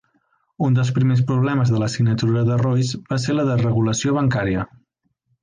Un dels primers problemes de la signatura de Royce va ser la desregulació bancària.